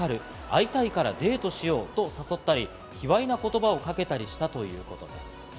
会いたいからデートしようと誘ったり、卑猥な言葉をかけたりしたということです。